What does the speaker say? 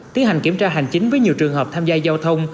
tiến hành kiểm tra hành chính với nhiều trường hợp tham gia giao thông